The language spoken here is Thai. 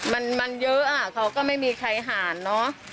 มันเยอะอ่ะเขาก็ไม่มีใครหารเนอะ